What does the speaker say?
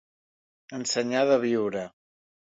Ensenyar de viure.